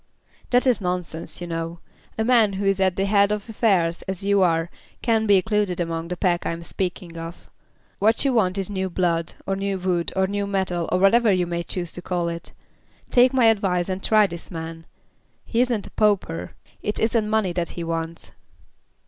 "That's nonsense, you know. A man who is at the head of affairs as you are can't be included among the pack I am speaking of. What you want is new blood, or new wood, or new metal, or whatever you may choose to call it. Take my advice and try this man. He isn't a pauper. It isn't money that he wants."